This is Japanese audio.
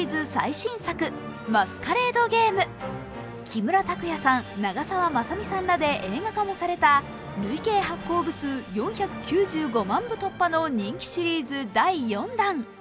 木村拓哉さん長澤まさみさんらで映画化もされた累計発行部数４９５万部突破の人気シリーズ第４弾。